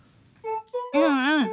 うんうん。